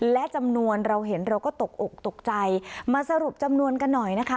และจำนวนเราเห็นเราก็ตกอกตกใจมาสรุปจำนวนกันหน่อยนะคะ